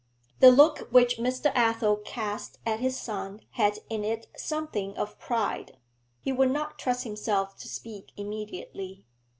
The look which Mr. Athel cast at his son had in it something of pride. He would not trust himself to speak immediately.